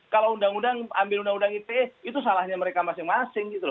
kalau undang undang ambil undang undang ite itu salahnya mereka masing masing gitu loh